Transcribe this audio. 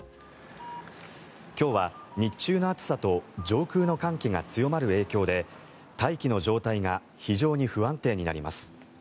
今日は日中の暑さと上空の寒気が強まる影響で大気の状態が非常に不安定になります。